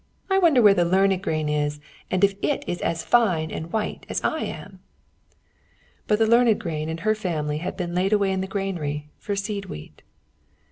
I wonder where the learned grain is, and if it is as fine and white as I am?" But the learned grain and her family had been laid away in the granary for seed wheat.